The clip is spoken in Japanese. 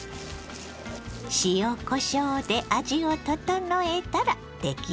塩こしょうで味を調えたら出来上がり。